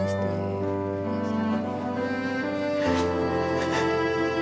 suara kamu indah sekali